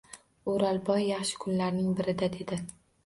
O’rolboy yaxshi kunlarning birida dedi.